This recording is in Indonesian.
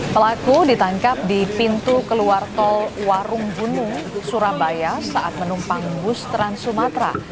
pelaku ditangkap di pintu keluar tol warung gunung surabaya saat menumpang bus trans sumatra